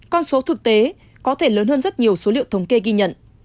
con số thực tế có thể lớn hơn rất nhiều số liệu thống kê ghi nhận